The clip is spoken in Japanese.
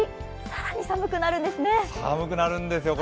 更に寒くなるんですね。